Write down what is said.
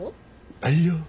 あいよー。